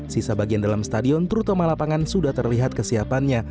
sisa bagian dalam stadion terutama lapangan sudah terlihat kesiapannya